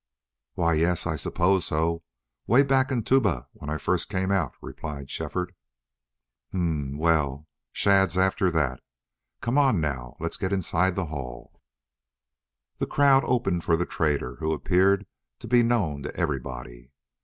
"Why, yes, I suppose so 'way back in Tuba, when I first came out," replied Shefford. "Huh! Well, Shadd's after that.... Come on now, let's get inside the hall." The crowd opened for the trader, who appeared to be known to everybody.